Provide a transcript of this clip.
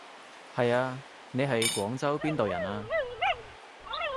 係啊，你係廣州邊度人啊？